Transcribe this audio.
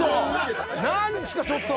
何すかちょっと。